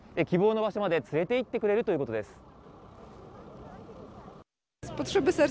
希望の場所まで連れて行ってくれるということです。